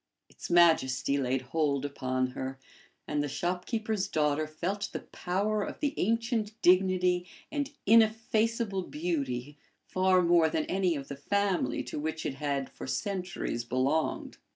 Its majesty laid hold upon her, and the shopkeeper's daughter felt the power of the ancient dignity and ineffaceable beauty far more than any of the family to which it had for centuries belonged.